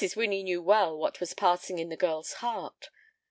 Winnie knew well what was passing in the girl's heart.